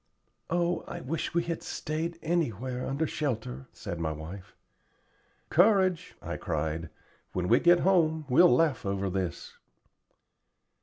"Oh, I wish we had stayed anywhere under shelter," said my wife. "Courage," I cried. "When we get home, we'll laugh over this."